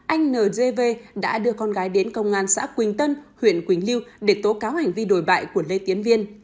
anh ntv đã đưa con gái đến công an xã quỳnh tân huyện quỳnh liêu để tố cáo hành vi đổi bại của lê tiến viên